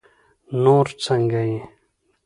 نور څنګه يې؟